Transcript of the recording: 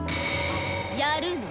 やるの？